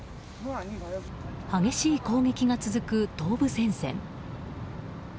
激しい攻撃が続く東部戦線。